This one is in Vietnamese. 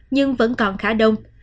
nhưng vẫn còn khá đông